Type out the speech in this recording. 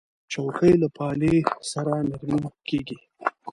چوکۍ له پالې سره نرمې کېږي.